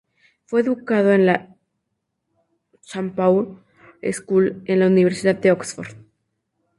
Fue educado en la St Paul's School y en la Universidad de Oxford.